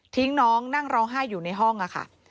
น้องนั่งร้องไห้อยู่ในห้องค่ะ